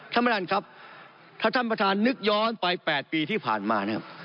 ท่านประธานครับถ้าท่านประธานนึกย้อนไป๘ปีที่ผ่านมานะครับ